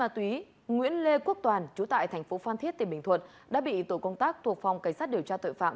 má túy nguyễn lê quốc toàn trú tại tp phan thiết tp bình thuận đã bị tổ công tác thuộc phòng cảnh sát điều tra tội phạm